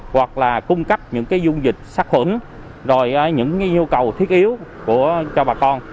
hoặc là cung cấp những cái dung dịch sát khuẩn rồi những nhu cầu thiết yếu cho bà con